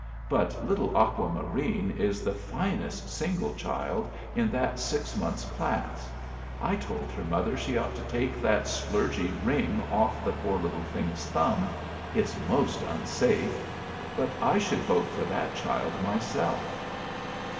But little Aqua Marine is the finest single child in that six months class. I told her mother she ought to take that splurgy ring off the poor little thing's thumb. It's most unsafe. But I should vote for that child myself."